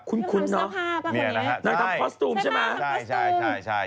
คุ้นคุ้นเนอะน้องคลับคอสตูมใช่ไหมคอสตูม